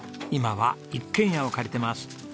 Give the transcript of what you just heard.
今は一軒家を借りてます。